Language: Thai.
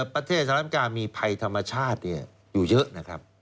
ประเทศสหรัฐอเมริกามีภัยธรรมชาติอยู่เยอะ